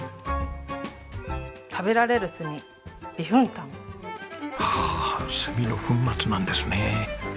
食べられる炭微粉炭。はあ炭の粉末なんですね。